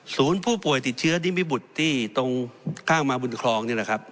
ศูนย์ผู้ป่วยติดเชื้อนิมิบุตรที่ตรงข้างมาบุญคลอง